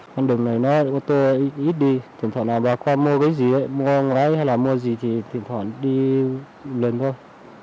con đường này nó ô tô ít đi thỉnh thoảng là bà con mua cái gì mua gái hay là mua gì thì thỉnh thoảng đi lần thôi